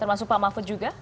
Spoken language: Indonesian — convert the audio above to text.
termasuk pak mahfud juga